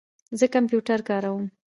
زه کمپیوټر کاروم